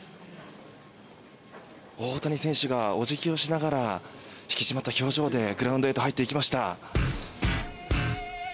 大谷選手がお辞儀をしながら引き締まった表情でグラウンドへと入っていきました。